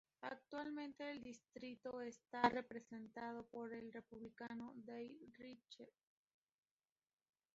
Actualmente el distrito está representado por el Republicano Dave Reichert.